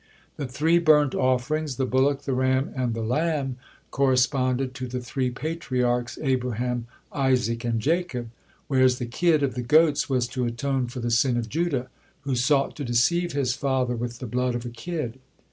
The three burnt offerings, the bullock, the ram, and the lamb, corresponded to the three Patriarchs, Abraham, Isaac, and Jacob, whereas the kid of the goats was to atone for the sin of Judah, who sought to deceive his father with the blood of a kid.